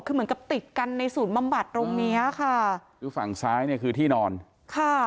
คือเหมือนกับติดกันในศูนย์บำบัดตรงเนี้ยค่ะคือฝั่งซ้ายเนี่ยคือที่นอนค่ะ